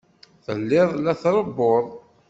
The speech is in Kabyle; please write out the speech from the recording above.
Telliḍ la d-trebbuḍ.